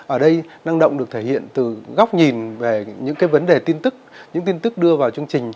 ở đây năng động được thể hiện từ góc nhìn về những cái vấn đề tin tức những tin tức đưa vào chương trình